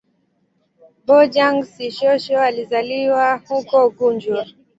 Bojang-Sissoho alizaliwa huko Gunjur.